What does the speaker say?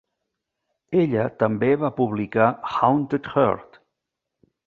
Ella també va publicar "Haunted Heart".